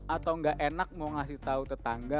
atau gak enak mau ngasih tau tetangga